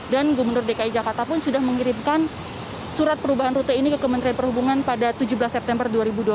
dan gubernur dki jakarta pun sudah mengirimkan surat perubahan rute ini ke kementerian perhubungan pada tujuh belas september dua ribu dua puluh